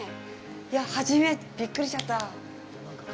いや、初めて。びっくりしちゃった。